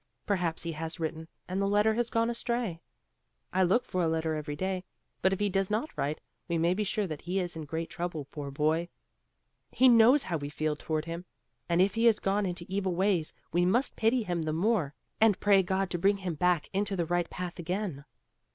Perhaps he has written, and the letter has gone astray. I look for a letter every day, but if he does not write, we may be sure that he is in great trouble, poor boy! He knows how we feel toward him, and if he has gone into evil ways we must pity him the more and pray God to bring him back into the right path again.